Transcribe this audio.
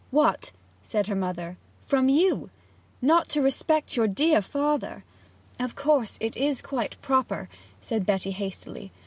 'What!' said her mother. 'From you? not to respect your dear father ' 'Of course it is quite proper,' said Betty hastily.